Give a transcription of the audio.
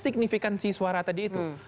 signifikansi suara tadi itu